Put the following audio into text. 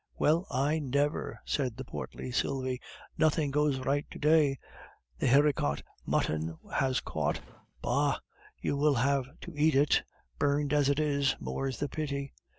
"Well, I never," said the portly Sylvie. "Nothing goes right to day! The haricot mutton has caught! Bah! you will have to eat it, burned as it is, more's the pity!"